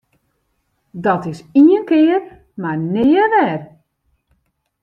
Dat is ien kear mar nea wer!